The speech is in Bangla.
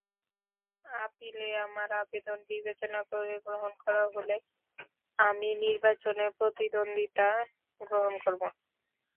আপিলে আমার আবেদন বিবেচনা করে গ্রহণ করা হলে আমি নির্বাচনে প্রতিদ্বন্দ্বিতা করব।